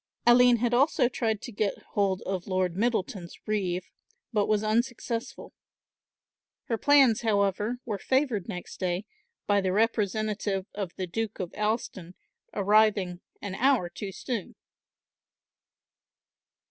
Aline had tried also to get hold of Lord Middleton's reeve, but was unsuccessful; her plans, however, were favoured next day by the representative of the Duke of Alston arriving an hour too soon.